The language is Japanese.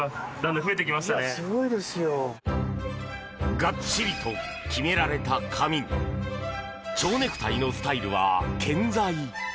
ガッチリと決められた髪に蝶ネクタイのスタイルは健在！